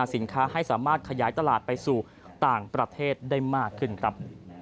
สินค้าให้สามารถขยายตลาดไปสู่ต่างประเทศได้มากขึ้นครับ